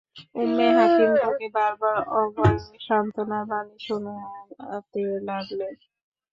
উম্মে হাকীম তাকে বারবার অভয় ও সান্তনার বাণী শুনাতে লাগলেন।